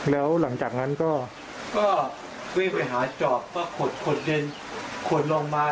เรียกเจ้าหน้าที่มาช่วย